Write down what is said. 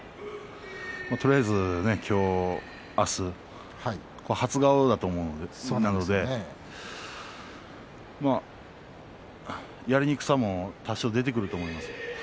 とりあえず、今日、明日初顔なのでやりにくさも多少出てくると思いますよ